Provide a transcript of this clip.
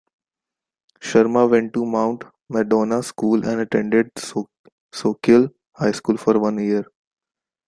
Sharma went to Mount Madonna school and attended Soquel High School for one year.